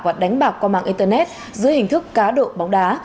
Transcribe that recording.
và đánh bạc qua mạng internet dưới hình thức cá độ bóng đá